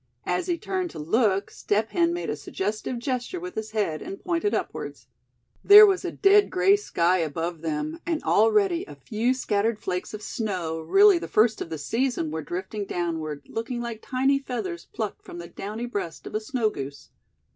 As he turned to look, Step Hen made a suggestive gesture with his head, and pointed upwards. There was a dead gray sky above them, and already a few scattered flakes of snow, really the first of the season, were drifting downward, looking like tiny feathers plucked from the downy breast of a snow goose.